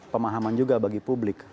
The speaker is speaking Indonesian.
pemahaman juga bagi publik